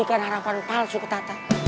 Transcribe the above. bikin harapan palsu ke tata